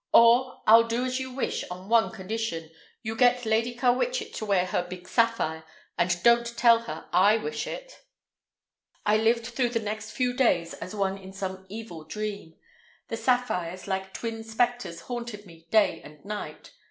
"Or I'll do as you wish, on one condition. You get Lady Carwitchet to wear her big sapphire, and don't tell her I wish it." I lived through the next few days as one in some evil dream. The sapphires, like twin specters, haunted me day and night.